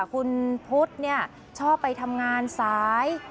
คุณพุธเนี่ยชอบไปทำงานซ้าย